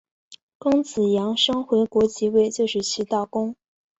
公子阳生回国即位就是齐悼公。